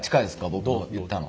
僕言ったの。